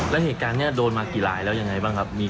แล้วเหตุการณ์นี้โดนมากี่หลายแล้วยังไงบ้างครับ